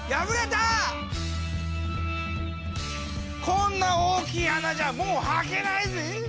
こんな大きい穴じゃもうはけないぜぇ。